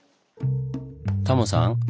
タモさん